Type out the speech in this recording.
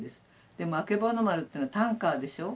でもあけぼの丸ってのはタンカーでしょ。